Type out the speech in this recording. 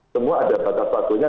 semua ada batas waktunya